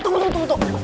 tunggu tunggu tunggu